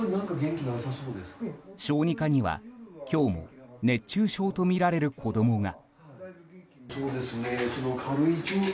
小児科には今日も熱中症とみられる子供が。